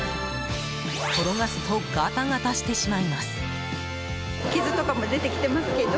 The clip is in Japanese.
転がすとガタガタしてしまいます。